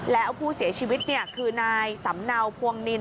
แล้วผู้เสียชีวิตคือนายสำเนาพวงนิน